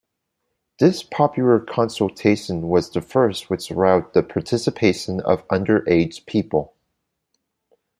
This popular consultation was the first which allowed the participation of under-age people.